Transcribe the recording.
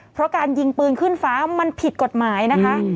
เพราะการยิงปืนขึ้นฟ้ามันผิดกฎหมายนะคะ